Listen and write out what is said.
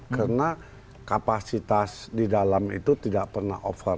karena kapasitas di dalam itu tidak pernah over